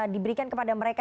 diberikan kepada mereka